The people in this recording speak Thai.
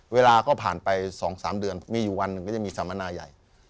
เวลาก็ผ่านไป๒๓เดือนมีอยู่วันหนึ่งก็จะมีสัมมนาใหญ่